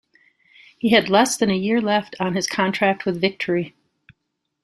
He had less than a year left on his contract with Victory.